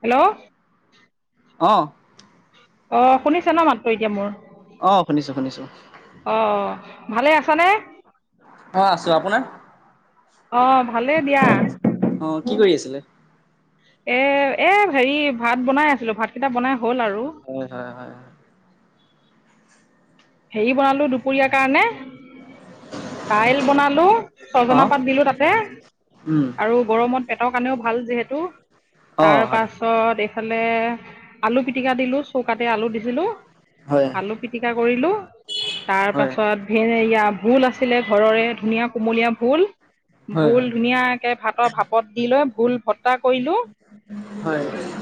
Hello, অহ অহ, শুনিছা ন মাতটো এতিয়া মোৰ। অহ, শুনিছোঁ - শুনিছোঁ। অ ভালে আছ নে? অহ আছোঁ আপোনাৰ? অ ভালে দিয়া। অ', কি কৰি আছিলে। এ এ হেৰি ভাত বনাই আছিলো ভাত কেইটা বনাই। হ'ল আৰু হয় হয় হয় হয়। হেৰি বনালো দুপৰীয়াৰ কাৰণে । দাইল বনালো ছজনা অ', পাত দিলো তাতে উম, আৰু গৰমত। পেটৰ কাৰণেও ভাল যিহেতু অ', তাৰ হয়, পাছত। ইফালে আলু পিটিকা দিলো চৌকাতে আলু দিছিলো হয়, হয়, আলু পিটিকা কৰিলো। তাৰ হয়, পাছত ভোল আছিলে ঘৰৰে ধুনীয়া কোমলীয়া ভোল । ভোল ধুনীয়াকে ভাতৰ ভাপত দি লৈ ভোল ভত্তা কৰিলো হয়, । হয়,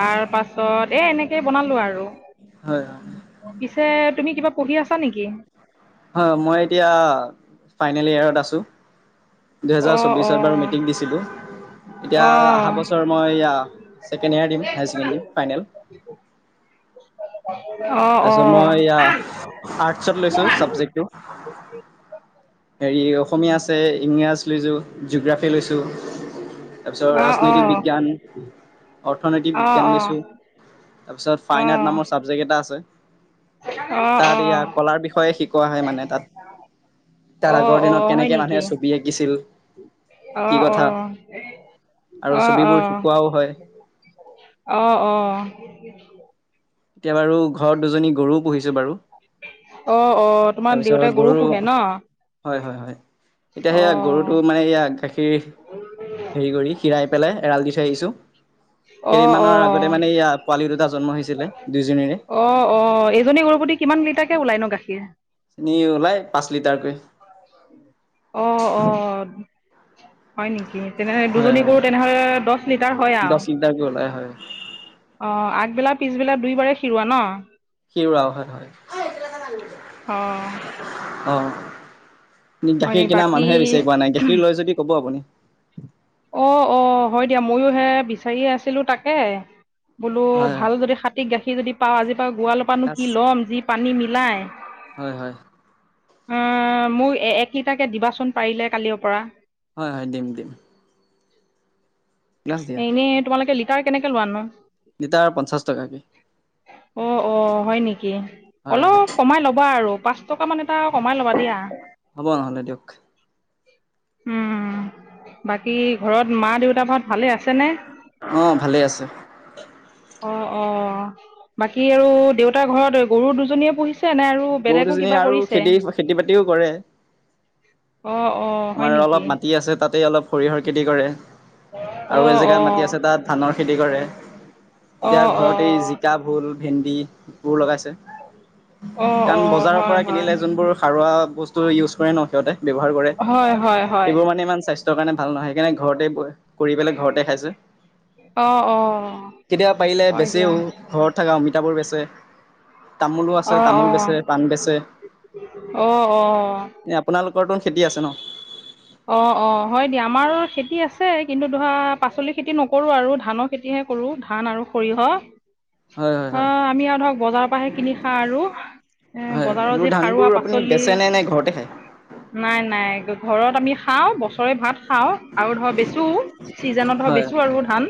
তাৰ পাছত এ এনেকেই বনালো আৰু। হয়, পিছে তুমি কিবা পঢ়ি আছা। নেকি? হয় মই এতিয়া ফাইনেল ইয়েৰত আছো। দুহেজাৰ অ', চৌবিশত বাৰু অ', মিটিং দিছিলোঁ। এতিয়া অ', অহা অ', বছৰ মই ছেকেণ্ড ইয়োৰ দিম হায়াৰ ছেকেণ্ডেৰী ফাইনেল। [unintelligible] অ', অ', তাৰপিছত মই এয়া অ', আৰ্টচত লৈছো চাবজেক্টটো। হেৰি অসমীয়া আছে ইংৰাজ লৈছোঁ জিঅ'গ্ৰাফী লৈছোঁ তাৰপিছত অ', অ', অ', ৰাজনৈতিক অ', বিজ্ঞান অৰ্থনৈতিক বিজ্ঞান লৈছোঁ। তাৰপিছত ফাইন উপ নামৰ চাবজেক্ট এটা আছে। অ', তাত ইয়া কলাৰ বিষয়ে শিকোৱা হয় মানে তাত তাৰ অ', আগৰ দিনত কেনেকে মানুহে ছবি আঁকিছিল। কি অহ কথা অহ আৰু অহ ছবিবোৰ অহ। শিকোৱাও হয় অ অ। এতিয়া বাৰু ঘৰত দুজনী গৰুও পুহিছো বাৰু। অ অ তোমাৰ দেউতে গৰু পোহে ন। হয় হয় হয় এতিয়া সেয়া গৰুটো অ', মানে ইয়া গাখীৰ--। হেৰি কৰি খিৰাই পেলাই এৰাল দি থৈ আহিছো অ', কেইদিনমানৰ আগতে অ', মানে ই পোৱালি দুটা জ । অ অ এজনী গৰু প্ৰতি কিমান লিটাৰ কে ওলাই ন গাখীৰ। চেনি ওলাই পাঁচ লিটাৰকৈ অ অ। হয় নেকি তেনেহ হয় দুজনী গৰু হয় তেনেহলে দহ লিটাৰ হয় আৰু। দহ লিটাৰকৈ ওলাই হয় অ আগবেলা পিছবেলা দুই বাৰে খিৰোৱা ন। শিউৰাও হয় হয়। অ অহ। গাখীৰ কিনা মানুহে বেছি কোৱা নাই গাখীৰ লৈ যদি ক'ব আপুনি। অ অ হয় দিয়া ময়ো হে বিচাৰিয়ে আছিলো তাকে। বোলো হয় হয় ভাল যদি হাতীক গাখীৰ যদি পাওঁ আজি। গোৱালৰ পৰানো ক্লাছ কি লম যি পানী মিলাই। হয় হয় অ মোক এক লিটাৰকে দিবাচোন পাৰিলে কালিৰ পৰা। হয় হয় দিম দিম গ্লাছ এনেই তোমালোকে লিটাৰ কেনেকে লোৱা নো? লিতাৰ পঞ্চাশ টকাকে। অ অ হয় নেকি হয় হয় অলপ কমাই ল'বা আৰু। পাঁচ টকা মান এটা কমাই ল'বা দিয়া। হ'ব নহ'লে দিয়ক উম বাকী ঘৰত মা দেউতা ঘৰত ভালে আছে? অ ভালে আছে। অ বাকী আৰু দেউতাৰ ঘৰত গৰু দুজনীয়ে পুহিছে। নে আৰু গৰু বেলেগো দুজনী কিবা আৰু কৰিছে খেতি খেতি বাতিও কৰে। অঁ অঁ হয় আমাৰ নেকি অলপ মাটি আছে তাতেই অলপ সৰিয়হৰ খেতি কৰে। আৰু এ অঁ জেগাত অঁ মাটি আছে তাত ধানৰ খেতি কৰে। এতিয়া অঁ অঁ ঘতে এই জিকা, ভুল, । ভেন্দি এইবোৰ লগাইছে, অঁ কাৰণ অঁ বজাৰৰ হয় পৰা হয় কিনিলে যোনবোৰ সাৰুৱা বস্তু ইউজ কৰে ন সিহঁতে ব্যৱহাৰ কৰে, হয় হয় হয় সেইবোৰ মানে ইমান স্বাস্থ্যৰ কাৰণে ভাল নহয়, সেইকাৰণে ঘৰতেই কৰি পেলাই ঘৰতে খাইছে। অঁ অঁ কেতিয়াবা পাৰিলে হয় দিয়া বেচিওঁ। ঘৰত থকা অমিতাবোৰ বেচে! তামোলো আছে অ তামোল অ বেচে, পাণ বেচে, অ অ এ আপোনালোক কৰ্তন খেতি আছে ন অঁ অঁ হয় দিয়া, আমাৰ খেতি আছে কিন্তু ধৰা পাচলি খেতি নকৰো আৰু ধানৰ খেতিহে কৰো ধান আৰু সৰিয়হ হয় হয় হয় অঁ আমি আৰু ধৰক বজাৰৰ পৰা কিনি খাই আৰু। এ হয় বজাৰৰ এইবোৰ যি সাৰুৱা ধানবোৰ আপুনি পাচলি বেচে নে নে ঘৰতে খায়? নাই নাই। ঘৰত আমি খাওঁ বছৰে ভাত। খাওঁ আৰু ধৰ বেচো চিজনত ধৰ হয় বেচো আৰু ধান।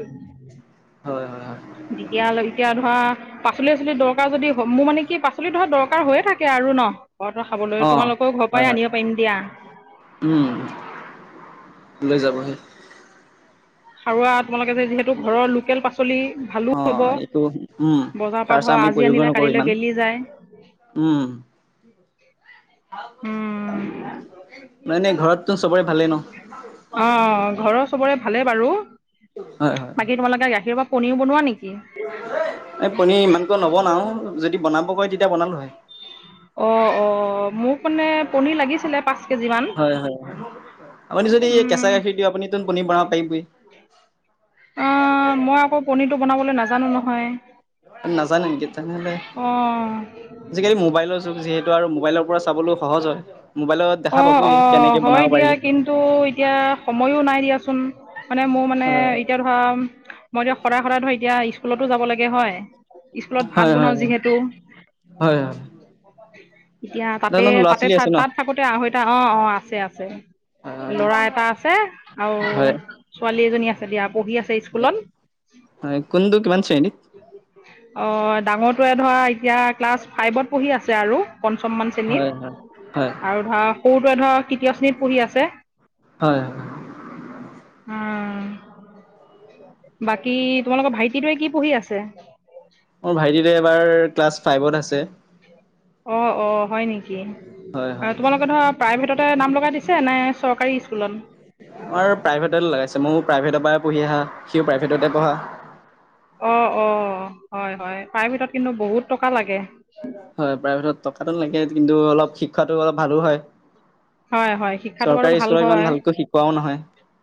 হয় হয় হয় যেতিয়া এতিয়া ধৰা পাচলি আচলি দৰকাৰ যদি মোৰ মানে কি পাচলি ধৰা দৰকাৰ হৈয়ে থাকে আৰু ন ঘটো খাবলৈ, অ তোমালোকৰও ঘৰ হয় পৰাই হয় আনিব পাৰিম দিয়া। যাবহে খাওৰাত তোমালোকে যে যিহেতু ঘৰৰ লোকেল পাচলি ভালো অ হব এইটো উম বজাৰ পা সাৰ চাৰ আমি আজি প্ৰয়োগো আনিলে নকৰো কালি বোলে ইমান গেলি যায়। উম মানে ঘৰত। অ ঘৰৰ চবৰে ভালেই বাৰু হয় হয় বাকী তোমালোকে গাখীৰ পৰা পনীৰও বনোৱা নেকি এই পনীৰ ইমানকৈ নবনাও যদি বনাব কয় তেতিয়া বনালো হয় অঁ অঁ মোক মানে পনিৰ লাগিছিলে পাঁচ কেজি মান। হয় হয় হয় আপুনি যদি কেঁচাখীৰ দি আপুনি তোনন পনী বনও অঁ মই আকৌ পনিৰতটো বনাবলৈ নাজানো নহয়। প নাজানে নেকি তেনেহলে অঁ আজিকালি মোবাইলৰ যুগ যিহেতু আৰু মোবাইলৰ পৰা চাবলৈও সহজ হয়, মোবাইলত দেখা পাবেই। অঁ হয় দিয়া কিন্তু এতিয়া সময়ো নাই দিয়াচোন মানে মোৰ মানে হয় এতিয়া ধৰা মই এতিয়া সদায় সদায় ধৰ এতিয়া স্কুলতো যাব লাগে হয় স্কুলত ভাত হয় বনাও হয় যিহেতু। হয় হয়। এতিয়া তাতে জানো ল'ৰা তাতে ছোৱালী আছে ন? তাত থাকোতে। আহৈতা অহ অহ আছে আছে, লৰা এটা আছে আও হয় ছোৱালী আছে দিয়া পঢ়ি আছে স্কুলত হয় কোনটো কিমান শ্ৰেণীত? অঃ ডাঙৰটোৱে ধৰা এতিয়া ক্লাছ ফাইভত পঢ়ি আছে আৰু। হয় হয় হয়। সৰুটো ধৰ তৃতীয় শ্ৰেণীত পঢ়ি আছে হয় হয়। উ বাকী তোমালোকৰ ভাইটিটোৱে কি পঢ়ি আছে মোৰ ভাইটিটো এবাৰ ক্লাছ ফাইভত আছে অ অ হয় নেকি, হয় হয় আৰু তোমালোকে ধৰা প্ৰাইভেটত নাম লগা দিছে নে চৰকাৰী স্কুলত মই প্ৰাইভেটতে লগাইছে, ময়ো প্ৰাইভেটৰ পৰা পঢ়ি আহা, সিও প্ৰাইভেটতে বহা অঁ অঁ হয় হয় প্ৰাইভেট কিন্তু বহুত টকা লাগে। হয় প্ৰাইভেটত টকাাতটো লাগে, কিন্তু অলপ শিক্ষাটো অলপ ভালো হয়। হয়, হয় শিক্ষাটো বাৰু চৰকাৰী ভাল স্কুলত ইমান হয়। ভালকৈ শিকোৱাও নহয়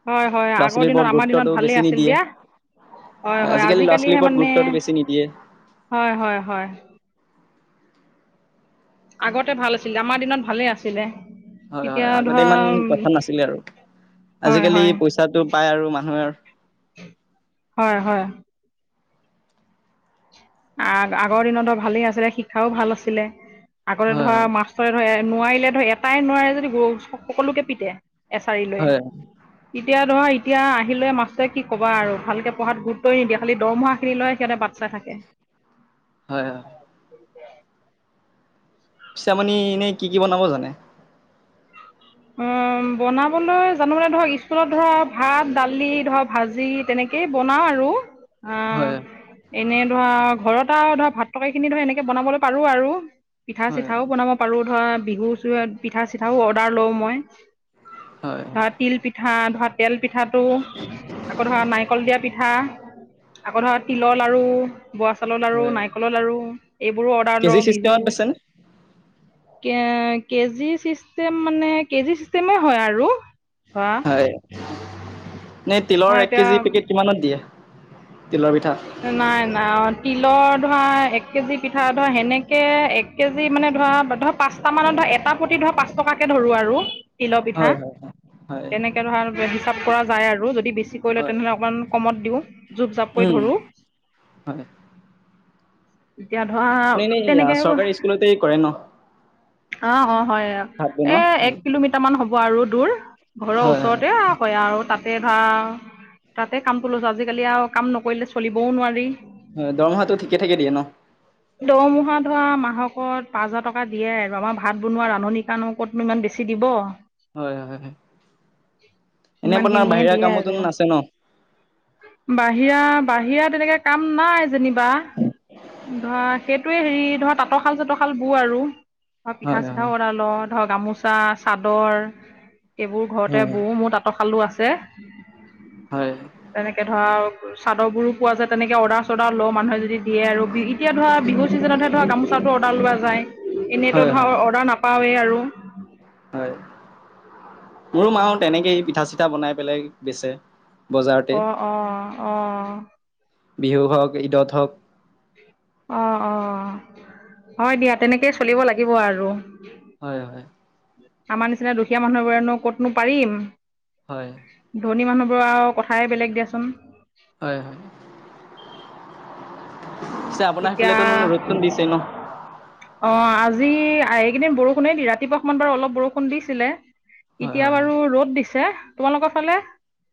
হয়, হয় ল'ৰা আগৰ ছোৱালীৰ দিনত ওৰত আমাৰ দিনত গুৰুত্বটো ভালেই বেছি আছিল নিদিয়ে। দিয়া। হয়, হয় আজিকালি ল'ৰা ছোৱালীৰ আজিকালিহে ওপৰত মানে গুৰুত্বটো বেছি নিদিয়ে। হয়, হয়, হয় আগতে ভাল আছিলে আমাৰ দিনত ভালে আছিলে হয় এতিয়া হয় আগতে ধৰা ইমান উম, কথা নাছিলে আৰু। হয়, আজিকালি হয়, পইচাটো পাই আৰু মানুহে হয় হয় আ আগৰ দিনত ধৰা ভালেই আছিলে শিক্ষাও ভাল আছিলে, আগতে হয় ধৰা হয় মাষ্টৰে ধৰা নোৱাৰিলে ধৰ এটাই নোৱাৰে যদি সকলোকে পিটে। এছাৰি লৈ। হয় তেতিয়া ধৰা এতিয়া আহিলে মাছ কি কবা আৰু ভালকে পঢ়াত গুৰুত্বই নিদিয়ে, খালি দৰমহা খিনি লৈয় সিহঁতে বাট চাই থাকে। হয় হয়। পিছে আপুনি এনেই কি কি বনাব জানে? অহ বনাবলৈ জানো মানে ধৰক স্কুলত ধৰা ভাত, দালি ধৰক ভাজি তেনেকে। তনেকেই বনাও আৰু, আহ হয় এনেই ধৰা ঘৰত আৰু ধৰা ভাত তকা খিনি ধৰা এনেকে বনাবলৈ পাৰো আৰু। পিঠা হয় চিঠাও বনাব পাৰো ধৰ, বিহু চ পিঠা চিঠাও অৰ্ডাৰ লওঁ মই। হয় ধৰা তিল পিঠা, ধৰা তেল পিঠাটো। আকৌ ধৰা নাৰিকল দিয়া পিঠা আকৌ ধৰা তিলৰ লাৰু, বৰা চাউৰ লাৰু, হয় নাৰিকলৰ লাৰু, এইবোৰো অৰ্ডাৰ কেজি লওঁ, বিহু। [unintelligible] কে কেজি চিষ্টেম মানে কেজি চিষ্টেমে হয় আৰু। ধৰা হয় এ তিলৰ হয় এক এতিয়া কেজি পেকেট কিমানত দিয়ে? তিলৰ পিঠা? নাই নাই তিলৰ ধৰা এক কেজি পিঠা ধৰা সেনেকে এক কেজি মানে ধৰা ধৰা পাঁচটা মানত ধৰা এটা প্ৰতি ধৰা পাঁচ টকাকে ধৰো আৰু তিলৰ পিঠা। হয় হয় হয় তেনেকে ধৰা হিচাপ কৰা যায় আৰু যদি বেছি কৰি লয় হয় তেনেহলে অকমান কমত দিওঁ জুপ জাপ, কৰি উম ধৰোঁ হয় এতিয়া ধৰা আপুনি এনেই তেনেকে অ চৰকাৰী স্কুলতে কৰে ন অ হয় ভাত এ বনোৱা? এক কিলোমিটাৰ মান হ'ব আৰু দূৰ। ঘৰৰ হয় হয় ওচৰতে আও হৈয়াও, তাতে ধা তাতে কাম কৰি লৈছো, আজিকালি আও কাম নকৰিলে চলিবও নোৱাৰি হয় দৰমহাটো ঠিকে থাকে দিয়ে ন। দৰমহা ধৰা মাহকত পাঁচ হাজাৰ টকা দিয়ে আৰু আমাৰ ভাত বনোৱা ৰান্ধনী কণো কত ইমান বেছি দিব হয় হয় হয় এনে আপোনাৰ সিমানখিনিয়ে বাহিৰা দিয়ে কামতো আৰু নাছে ন এয়া বাহিৰা তেনেকে কাম নাই যেনিবা। ধৰা সেইটোয়ে হেৰি ধৰা তাঁতৰশাল চাতৰশাল বৌ আৰু। ধ পিঠা হয় হয় চিঠাও কৰা লওঁ ধৰ গামোচা, চাদৰ। এইবোৰ ঘৰতে হয় বৌ মোৰ তাঁঁতৰশালো আছে। হয়। চাদৰবোৰো পোৱা যায় তেনেকৈ অৰ্ডাৰ চৰ্ডাৰ লওঁ মানুহে যদি দিয়ে আৰু এতিয়া ধৰা বিহু ছিজনতহে ধৰা গামোচাটো অৰ্ডাৰ লোৱা যায়, এনেইতো হয় ধৰক হয় অৰ্ডাৰ নাপাওঁৱেই আৰু। হয়। মোৰো মাহ তেনেকে পিঠা চিঠা বনাই পেলাই বেচে। বজাৰতে অ অ অহ বিহু হওক, ঈদত হওক অ অ হয় দিয়া তেনেকেই চলিব লাগিব আৰু। হয় হয় আমাৰ নিচিনা দুখীয়া মানুহবোৰেনো ক'তনো পাৰিম। হয় ধনী মানুহ আৰু কথাই বেলেগ দিয়াচোন হয় হয়। পিছে আপোনাৰ এতিয়া অ সেইফালেতো ৰ'দটোন দিছেই ন আজি এইকেইদিন বৰষুণে দিয়ে, ৰাতিপুৱা অকমান বাৰু অলপ বৰষুণ দিছিলে। হয় এতিয়া হয় হয় বাৰু ৰ'দ দিছে। তোমালোকৰ ফালে?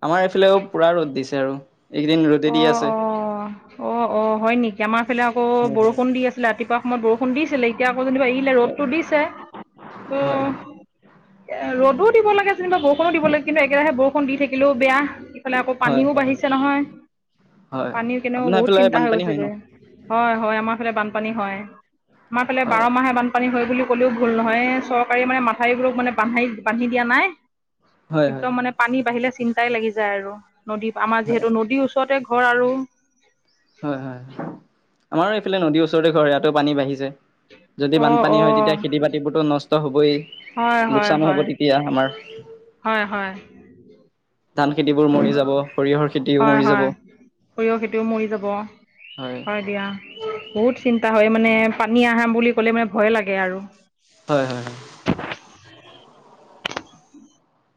আমাৰ এইফালেও পুৰা ৰ'দ দিছে আৰু এইকেইদিন ৰ'দ অ'! অ'! অ'! অ'! হয় নেকি? আমাৰ ফালে আকৌ, বৰষুণ দি আছিলে ৰাতিপুৱা সময়ত। বৰষুণ দিছিলে। এতিয়া আকৌ, যেনিবা এৰিলে, হয় ৰ'দতটো দিছে। হয় হয় [unintelligible] ৰদো দিব লাগে, যেনিবা বৰষুণো দিব লাগে। কিন্তু, একেৰাহে বৰষুণ দি থাকিলেও বেয়া, ইফালে আকৌ হয় পানীও হয় হয় বাঢ়ি হয় নহয়। হয় হয় পানী কেনেও আপোনাৰ বহুত সেইফালে চিন্তা হৈ বানপানী গৈছে হয় ন গৈ। হয়, হয়। আমাৰ ফালে বানপানী হয়। আমাৰ ফালে বাৰ হয় মাহে বানপানী হয় বুলি ক'লেও ভুল নহয়ে। চৰকাৰে মানে, মাথাউৰিবোৰক মানে, বান্ধি বান্ধি দিয়া নাই। হয় হয় একদম মানে, পানী বাঢ়িলে চিন্তা চিন্তাই লাগি যায় আৰু নদী আমাৰ হয় যিহেতু নদীৰ ওচৰতে ঘৰ আৰু। হয়, হয়। আমাৰো এইফালে নদীৰ ওচৰতে ঘৰ, ইয়াতো পানী বাঢ়িছে। যদি অঁ বানপানী অঁ হয়, তেতিয়া খেতি বাতিবোৰতো নষ্ট হ'বই। হয় হয় লোকচানো হয় হ'ব তেতিয়া আমাৰ। হয়, হয়। ধান খেতি বোৰ মৰি যাব। সৰিয়হৰ খেতিও হয়, মৰি যাব হয়। সৰিয়হৰ খেতিও মৰি যাব। হয় দিয়া। বহুত চিন্তা হয় মানে, পানী আহা বুলি ক'লে মানে ভয় লাগে আৰু! হয়, হয়, হয়।